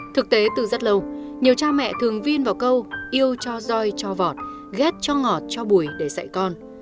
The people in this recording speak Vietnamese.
thực tế từ rất lâu nhiều cha mẹ thường viên vào câu yêu cho roi cho vọt ghét cho ngọt cho bùi để dạy con